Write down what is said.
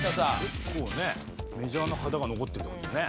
結構ねメジャーな方が残ってるって事だね。